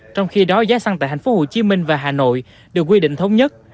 trong khi đó giá xăng tại tp hcm và hà nội được quy định thống nhất